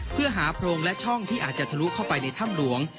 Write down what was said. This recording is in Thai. เพื่อหาโพรงและช่องที่อาจจะทะลุเข้าไปในถ้ำหลวง